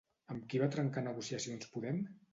Amb qui va trencar negociacions Podem?